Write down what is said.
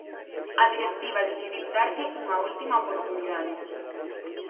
A directiva decidiu darlle unha última oportunidade.